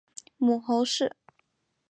母侯氏。